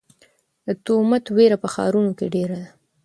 د تومت وېره په ښارونو کې ډېره ده.